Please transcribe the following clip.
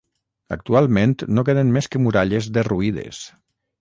Actualment no queden més que muralles derruïdes.